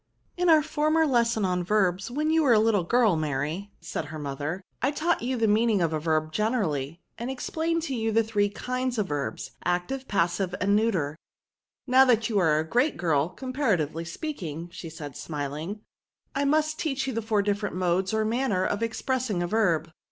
In our former lesson on Verbs, wlieii you were a little girl, Mary," said her mother, " I taught you the meaning of a verb generally, and explained to you the three kinds of verbs, active^ passive^ and neuter. Now that you are a great girl (com paratively speaking, said she, smiling), I must teach you the four different modes y or maoner of expressing a verb."